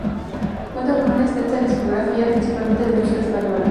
Cuenta con una extensa discografía principalmente de música española.